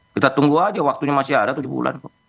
kita tunggu aja waktunya masih ada tujuh bulan kok